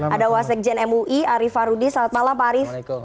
ada wasikjen mui ariefa rudi selamat malam pak arief